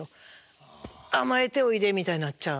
「甘えておいで」みたいになっちゃう。